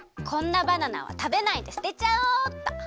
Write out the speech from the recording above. こんなバナナは食べないですてちゃおうっと。